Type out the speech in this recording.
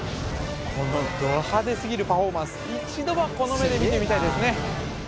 このド派手すぎるパフォーマンス一度はこの目で見てみたいですね